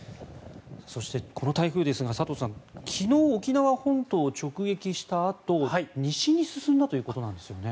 そしてこの台風ですが佐藤さん、昨日沖縄本島を直撃したあと西に進んだということですよね。